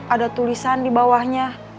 ada tulisan di bawahnya